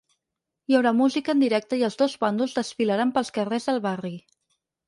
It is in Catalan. Hi haurà música en directe i els dos bàndols desfilaran pels carrers del barri.